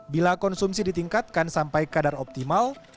bila konsumsi ditingkatkan sampai kadar optimal